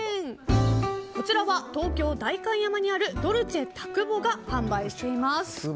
こちらは東京・代官山にあるドルチェタクボが販売しています。